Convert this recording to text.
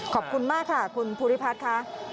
ขอบคุณมากค่ะคุณภูริพัฒน์ค่ะ